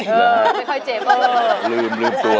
ไม่ค่อยเจ็บลืมตา